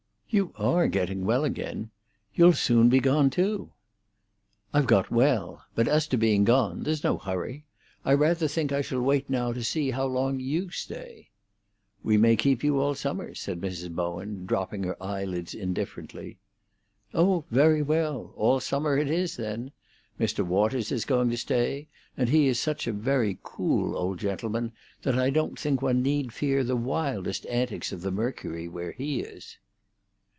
"You are getting well again. You'll soon be gone too." "I've got well. But as to being gone, there's no hurry. I rather think I shall wait now to see how long you stay." "We may keep you all summer," said Mrs. Bowen, dropping her eyelids indifferently. "Oh, very well. All summer it is, then. Mr. Waters is going to stay, and he is such a very cool old gentleman that I don't think one need fear the wildest antics of the mercury where he is."